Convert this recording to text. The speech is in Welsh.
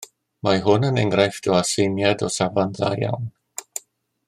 Mae hwn yn enghraifft o aseiniad o safon dda iawn